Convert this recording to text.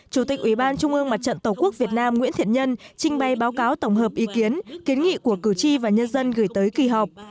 chủ tịch ủy ban trung ương mặt trận tổ quốc việt nam nguyễn thiện nhân trình bày báo cáo tổng hợp ý kiến kiến nghị của cử tri và nhân dân gửi tới kỳ họp